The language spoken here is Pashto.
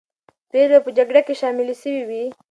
پېغلې به په جګړه کې شاملې سوې وي.